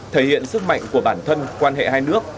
thể hiện sức mạnh của bản thân quan hệ hai nước